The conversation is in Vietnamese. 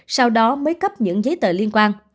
sau đó mới cấp những giấy tờ liên quan